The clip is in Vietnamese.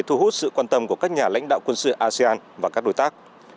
thu hút sự quan tâm của các nhà lãnh đạo quân sự asean và các đối tác